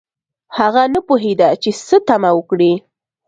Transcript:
هغه نه پوهیده چې څه تمه وکړي